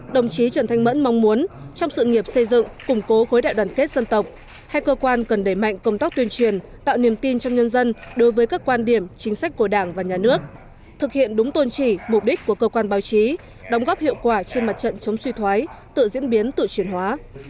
đồng chí trần thanh mẫn mong muốn trong sự nghiệp xây dựng củng cố khối đại đoàn kết dân tộc hai cơ quan cần đẩy mạnh công tác tuyên truyền tạo niềm tin trong nhân dân đối với các quan điểm chính sách của đảng và nhà nước thực hiện đúng tôn trị mục đích của cơ quan báo chí đóng góp hiệu quả trên mặt trận chống suy thoái tự diễn biến tự chuyển hóa